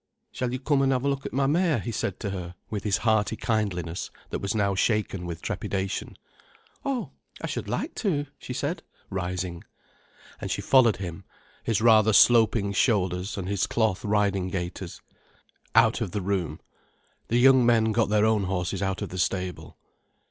"Shall you come an' have a look at my mare," he said to her, with his hearty kindliness that was now shaken with trepidation. "Oh, I should like to," she said, rising. And she followed him, his rather sloping shoulders and his cloth riding gaiters, out of the room. The young men got their own horses out of the stable.